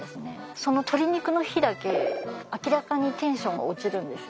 その鶏肉の日だけ明らかにテンションが落ちるんですよ。